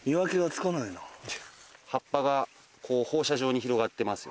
葉っぱがこう放射状に広がってますよね。